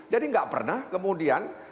jadi nggak pernah kemudian